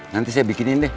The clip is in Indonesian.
nanti saya bikinin deh